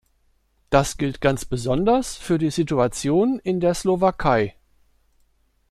Das gilt ganz besonders für die Situation in der Slowakei.